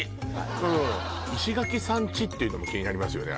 石垣さん家っていうのも気になりますよね